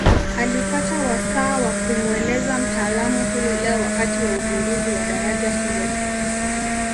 Alipata wasaa wa kumueleza mtaalamu huyo leo wakati wa uzinduzi wa daraja hilo